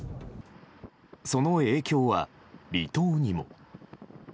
その影響は離島にも。